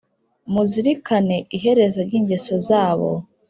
Muzirikane iherezo ry ingeso zabo